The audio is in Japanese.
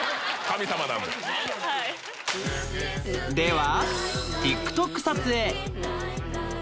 では